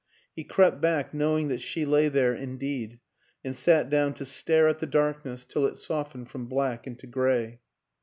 He crept back, knowing that she lay there indeed, and sat down to stare at the darkness till it soft ened from black into gray.